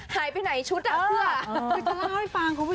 หายไปใหนชุดน้ำเวลา